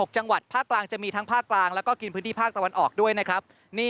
จังหวัดภาคกลางจะมีทั้งภาคกลางแล้วก็กินพื้นที่ภาคตะวันออกด้วยนะครับ